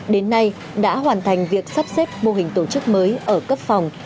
đến nay đã hoàn thành việc sắp xếp mô hình tổ chức mới ở cấp phòng